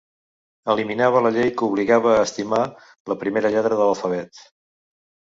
Eliminava la llei que obligava a estimar la primera lletra de l'alfabet.